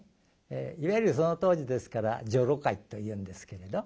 いわゆるその当時ですから女郎買いというんですけれど。